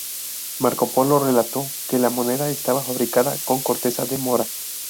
Marco Polo relató que la moneda estaba fabricada con corteza de mora.